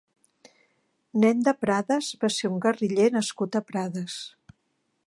Nen de Prades va ser un guerriller nascut a Prades.